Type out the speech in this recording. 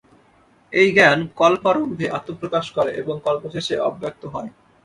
এই জ্ঞান কল্পারম্ভে আত্মপ্রকাশ করে এবং কল্পশেষে অব্যক্ত হয়।